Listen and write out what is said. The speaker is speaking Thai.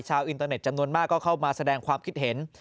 อินเตอร์เน็ตจำนวนมากก็เข้ามาแสดงความคิดเห็น